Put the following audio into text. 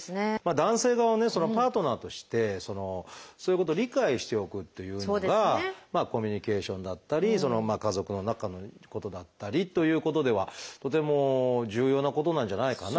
男性側はねパートナーとしてそういうことを理解しておくというのがコミュニケーションだったり家族の中のことだったりということではとても重要なことなんじゃないかなと。